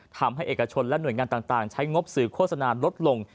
ทำให้เอกชนและหน่วยงานต่างใช้งบสื่อโฆษณาลดลง